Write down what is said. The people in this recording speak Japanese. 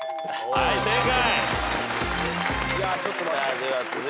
はい正解。